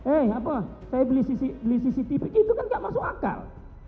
eh apa saya beli cctv itu kan gak masuk akal